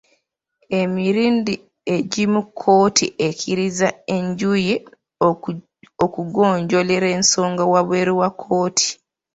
Emirundi egimu kkooti ekkiriza enjuyi okugonjoolera ensonga wabweru wa kkooti.